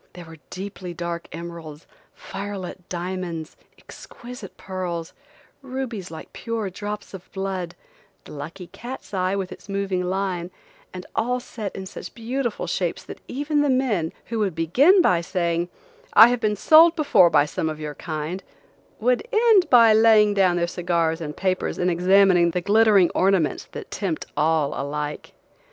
There were deeply dark emeralds, fire lit diamonds, exquisite pearls, rubies like pure drops of blood, the lucky cat's eye with its moving line, and all set in such beautiful shapes that even the men, who would begin by saying, "I have been sold before by some of your kind," would end by laying down their cigars and papers and examining the glittering ornaments that tempt all alike.